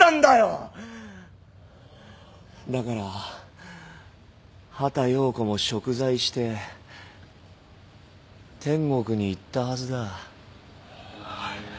だから畑葉子も贖罪して天国に行ったはずだ。